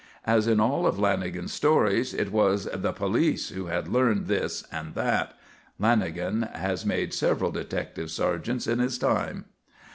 As in all of Lanagan's stories, it was "the police" who had learned this and that. Lanagan has made several detective sergeants in his time.